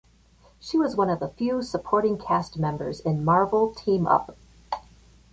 She was one of the few supporting cast members in "Marvel Team-Up".